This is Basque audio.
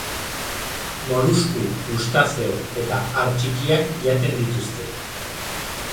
Molusku, krustazeo eta har txikiak jaten dituzte.